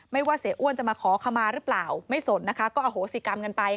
ว่าเสียอ้วนจะมาขอขมาหรือเปล่าไม่สนนะคะก็อโหสิกรรมกันไป